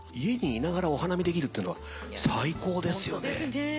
家にいながらお花見できるってのは最高ですよね。